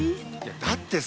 だってさ。